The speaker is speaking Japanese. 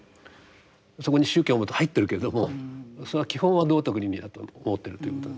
そこに宗教も入ってるけれどもそれは基本は道徳・倫理だと思ってるということなんですよね。